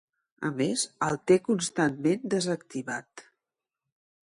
A més, el té constantment desactivat.